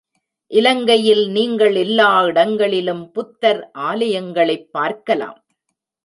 இலங்கையில் நீங்கள் எல்லா இடங்களிலும் புத்தர் ஆலயங்களைப் பார்க்கலாம்.